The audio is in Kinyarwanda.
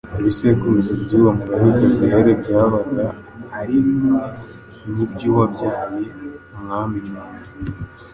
Ibisekuruza by'uwo Mugabekazi rero byabaga ari bimwe n'iby'uwabyaye Umwami mu nda.